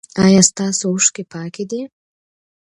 ایا ستاسو اوښکې پاکې دي؟